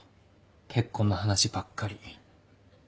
結婚の話ばっかり。